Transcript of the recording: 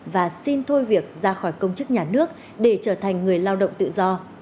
và xin thôi việc ra khỏi công chức nhà nước để trở thành người lao động tự do